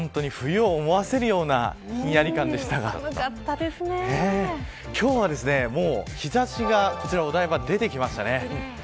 昨日は、本当に冬を思わせるようなひんやり感でしたが今日は日差しがお台場でも出てきました。